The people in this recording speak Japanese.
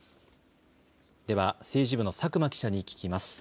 では政治部の佐久間記者に聞きます。